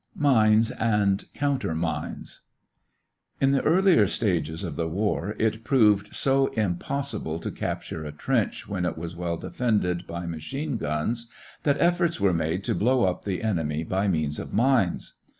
MINES AND COUNTER MINES In the earlier stages of the war it proved so impossible to capture a trench when it was well defended by machine guns that efforts were made to blow up the enemy by means of mines.